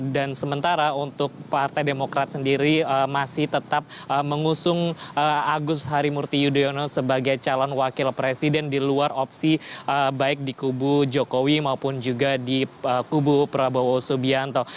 dan sementara untuk partai demokrat sendiri masih tetap mengusung agus harimurti yudhoyono sebagai calon wakil presiden di luar opsi baik di kubu jokowi maupun juga di kubu prabowo subianto